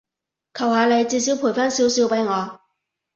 求下你，至少賠返少少畀我